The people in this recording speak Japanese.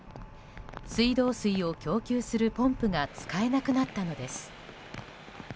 水道水を供給するポンプが使えなくなったのです。